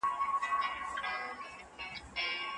د منصور دین مي منلې او له دار سره مي ژوند دی